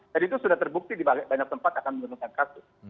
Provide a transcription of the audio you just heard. dan itu sudah terbukti di banyak tempat akan menurunkan kasus